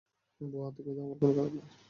বোহ, আতঙ্কিত হবার কোনো কারণ নেই।